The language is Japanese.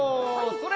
それ！